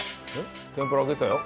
天ぷら揚げてたよ？